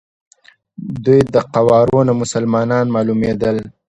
دوی د قوارو نه مسلمانان معلومېدل.